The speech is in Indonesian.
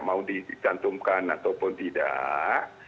mau ditantumkan ataupun tidak